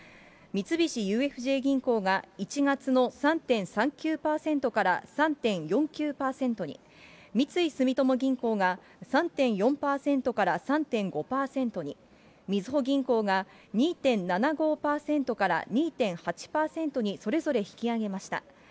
三菱ＵＦＪ銀行が１月の３．３９％から３．４９％に、三井住友銀行が３．４％から３．５％に、みずほ銀行が２．７５％から２．８％にそれぞれ引き上げました。